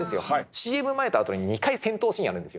ＣＭ前と後に２回戦闘シーンあるんですよ。